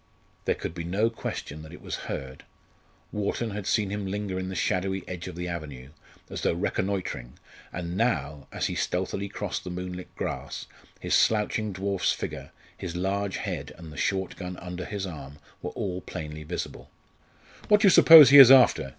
There could be no question that it was Hurd. Wharton had seen him linger in the shadowy edge of the avenue, as though reconnoitring, and now, as he stealthily crossed the moonlit grass, his slouching dwarf's figure, his large head, and the short gun under his arm, were all plainly visible. "What do you suppose he is after?"